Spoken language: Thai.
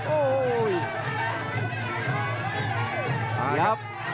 โอ้โห